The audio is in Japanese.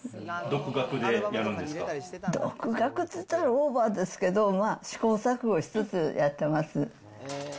独学って言ったらオーバーですけど、試行錯誤しつつやってます。